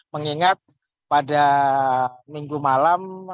mengingat pada minggu malam